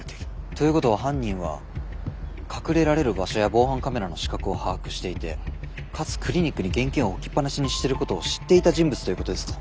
ということは犯人は隠れられる場所や防犯カメラの死角を把握していてかつクリニックに現金を置きっぱなしにしてることを知っていた人物ということですか？